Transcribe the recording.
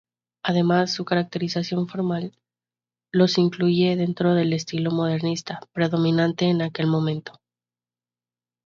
Además, su caracterización formal los incluye dentro del estilo modernista, predominante en aquel momento.